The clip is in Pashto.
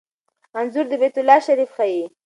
انځور د بیت الله شریف ښيي.